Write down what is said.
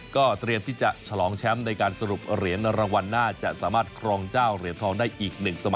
ก็เตรียมที่จะฉลองแชมป์ในการสรุปเหรียญรางวัลน่าจะสามารถครองเจ้าเหรียญทองได้อีก๑เสมอ